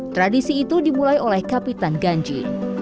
tradisi itu dimulai oleh kapitan ganji